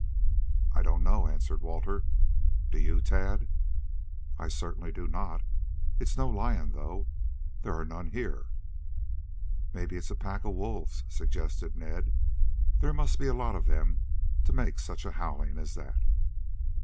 "I I don't know," answered Walter. "Do you, Tad?" "I certainly do not. It's no lion, though. There are none here?" "Maybe it's a pack of wolves," suggested Ned. "There must be a lot of them to make such a howling as that."